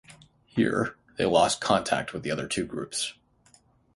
Here they lost contact with the other two groups.